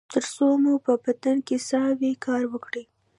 تر څو مو په بدن کې ساه وي کار وکړئ